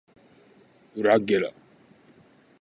ｗ らげ ｒ